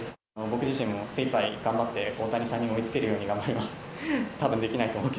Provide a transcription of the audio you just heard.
僕自身も精いっぱい頑張って大谷さんに追いつけるように頑張ります。